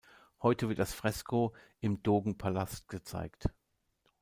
Heute wird das Fresco im Dogenpalast gezeigt.